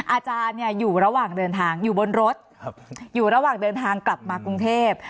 อาจารย์อยู่ระหว่างเดินทางอยู่บนรถอยู่ระหว่างเดินทางกลับมากรุงเทพ